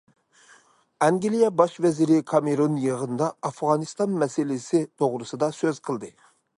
ئەنگلىيە باش ۋەزىرى كامېرون يىغىندا ئافغانىستان مەسىلىسى توغرىسىدا سۆز قىلدى.